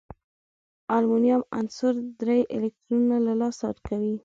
د المونیم عنصر درې الکترونونه له لاسه ورکوي.